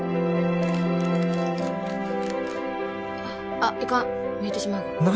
あっいかん見えてしまうが何？